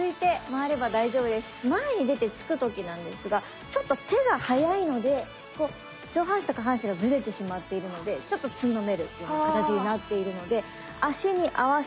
前に出て突く時なんですがちょっと手が速いので上半身と下半身がズレてしまっているのでちょっとつんのめる形になっているので足に合わせて手をのせてくる。